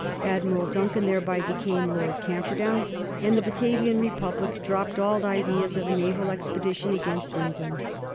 Admiral Duncan thereby became Lord Camperdown and the Batavian Republic dropped all ideas of a naval expedition against England.